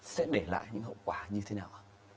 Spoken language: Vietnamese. sẽ để lại những hậu quả như thế nào